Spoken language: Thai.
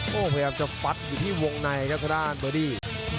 พยายามจะฟัดอยู่ที่วงในครับท่านเบอร์ดี้